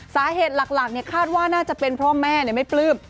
สาเหตุหลักคาดว่าน่าจะเป็นเพราะแม่ไม่ปลื้ม